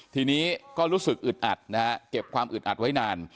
ทีนี้ก็รู้สึกอึดอัดนะฮะเก็บความอึดอัดไว้นาน